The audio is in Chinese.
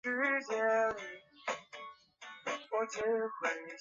广西石笔木为山茶科石笔木属下的一个种。